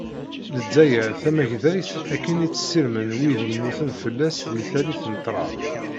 Lezzayer tamagdayt akken i tt-ssirmen wid yemmuten fell-as di tallit n ṭṭrad.